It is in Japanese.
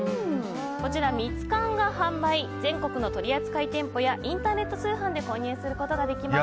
ミツカンが販売全国の取扱店舗やインターネット通販で購入することができます。